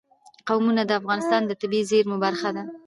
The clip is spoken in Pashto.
قومونه د افغانستان د طبیعي زیرمو برخه ده.